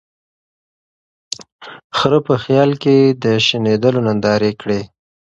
خره په خیال کی د شنېلیو نندارې کړې